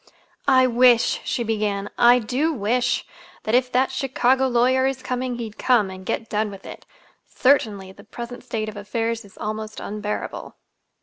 "I wish," she began, "I do wish that if that Chicago lawyer is coming, he'd come, and get done with it! Certainly the present state of affairs is almost unbearable."